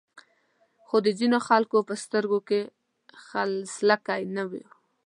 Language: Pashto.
خو د ځینو خلکو په سترګو کې خلسکی نه و.